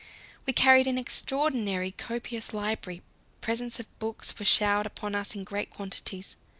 We carried an extraordinarily copious library; presents of books were showered upon us in great quantities.